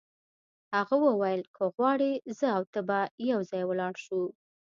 هغه وویل که غواړې زه او ته به یو ځای ولاړ شو.